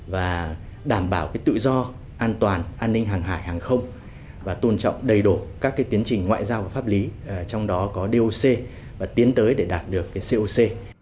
và đảm bảo tự do an toàn an ninh hàng hải hàng không và tôn trọng đầy đủ các tiến trình ngoại giao và pháp lý trong đó có doc và tiến tới để đạt được coc